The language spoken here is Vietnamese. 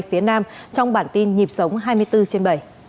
phía nam trong bản tin nhịp sống hai mươi bốn trên bảy